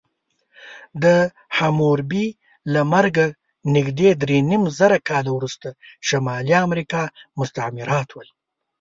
د حموربي له مرګه نږدې درېنیمزره کاله وروسته شمالي امریکا مستعمرات ول.